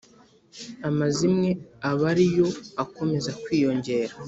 amazimwe aba ari yo akomeza kwiyongera.